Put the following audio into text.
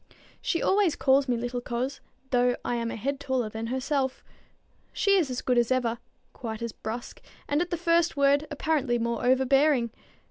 She always calls me little coz, though I am a head taller than herself. She is as good as ever, quite as brusque, and at the first word apparently more overbearing.